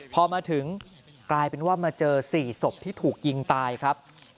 พอมาถึงกลายเป็นว่ามาเจอ๔ศพที่ถูกยิงตายครับ